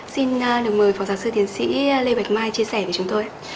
xin được mời phó giáo sư tiến sĩ lê bạch mai chia sẻ với chúng tôi